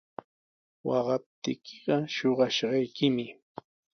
Waqaptiykiqa shuqashqaykimi.